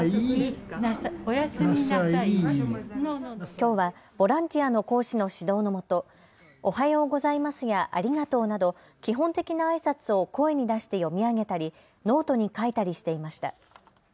きょうはボランティアの講師の指導のもとおはようございますやありがとうなど基本的なあいさつを声に出して読み上げたりノートに書いたりしていました。